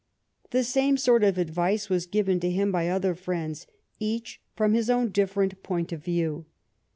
The same sort of advice was given to him by other friends, each from his own different point of view.